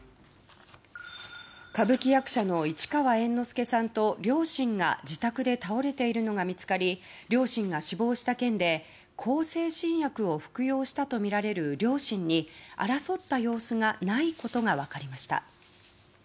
歌舞伎役者の市川猿之助さんと両親が自宅で倒れているのが見つかり両親が死亡した件で向精神薬を服用したとみられる両親に争った様子がないことが分かりました。